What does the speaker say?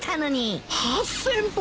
８，０００歩！？